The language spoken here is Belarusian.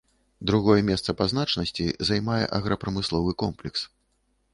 Другое месца па значнасці займае аграпрамысловы комплекс.